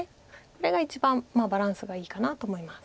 これが一番バランスがいいかなと思います。